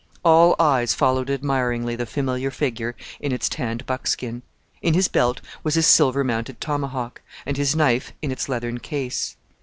All eyes followed admiringly the familiar figure in its tanned buckskin. In his belt was his silver mounted tomahawk, and his knife in its leathern case.